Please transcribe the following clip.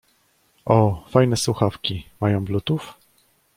O, fajne słuchawki, mają bluetooth?